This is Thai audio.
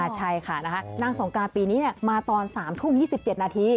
ใช่ค่ะนางสงการปีนี้มาตอน๓ทุ่ม๒๗นาที